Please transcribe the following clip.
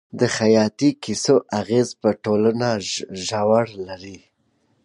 د خيالي کيسو اغېز په ټولنه ژور دی.